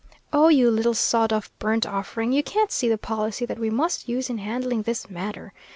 "Oh, you little sawed off burnt offering, you can't see the policy that we must use in handling this matter.